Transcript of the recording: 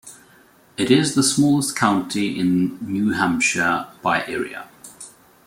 It is the smallest county in New Hampshire by area.